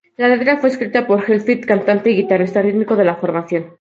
La letra fue escrita por Hetfield, cantante y guitarrista rítmico de la formación.